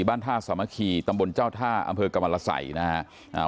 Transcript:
บ้านท่าสามัคคีตำบลเจ้าท่าอำเภอกรรมรสัยนะฮะ